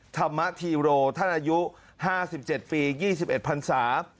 ธรรมธีโรท่านอายุ๕๗ปี๒๑พันศา